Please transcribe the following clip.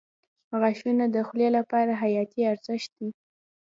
• غاښونه د خولې لپاره حیاتي ارزښت لري.